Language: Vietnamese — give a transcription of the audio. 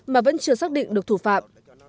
mà vẫn chưa xác định được thủ phạm